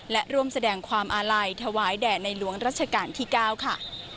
และร่วมแสดงความอาลัยถวายแด่ในหลวงรัชกาลที่๙ค่ะ